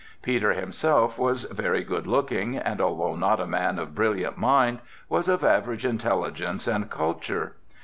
Peter himself was very good looking and, although not a man of brilliant mind, was of average intelligence and culture.